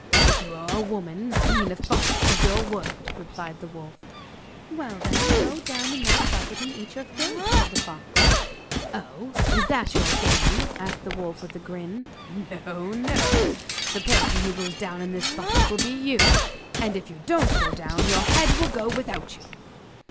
'That you are a woman I mean a fox of your word,' replied the wolf. 'Well, then, go down in that bucket and eat your fill,' said the fox. 'Oh, is that your game?' asked the wolf, with a grin. 'No! no! The person who goes down in the bucket will be you! And if you don't go down your head will go without you!